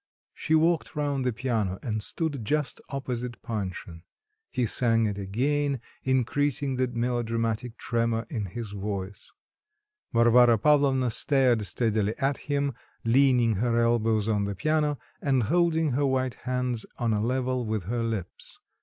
She walked round the piano and stood just opposite Panshin. He sang it again, increasing the melodramatic tremor in his voice. Varvara Pavlovna stared steadily at him, leaning her elbows on the piano and holding her white hands on a level with her lips.